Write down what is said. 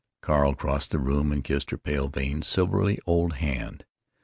Carl crossed the room and kissed her pale veined, silvery old hand.